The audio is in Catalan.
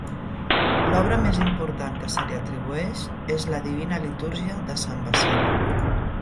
L'obra més important que se li atribueix és la Divina Litúrgia de Sant Basili.